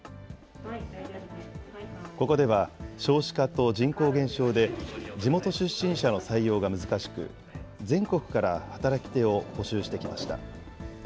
ここでは少子化と人口減少で地元出身者の採用が難しく、全国から働き手を募集してきました。